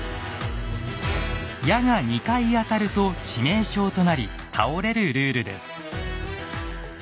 矢が２回当たると致命傷となり倒れるルールです。